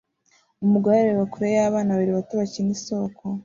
umugore arareba kure yabana babiri bato bakina isoko